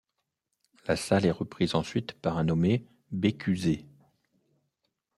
La salle est reprise ensuite par un nommé Bécuzet.